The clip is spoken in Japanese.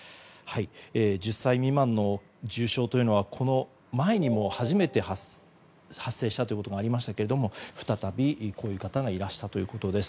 １０歳未満の重症というのはこの前にも初めて発生したということがありましたけれども再び、こういう方がいらしたということです。